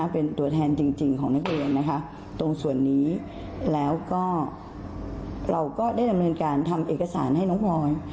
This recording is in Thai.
เป็นตัวแทนจริงของนักเรียนนะคะตรงส่วนนี้แล้วก็เราก็ได้ดำเนินการทำเอกสารให้น้องพลอย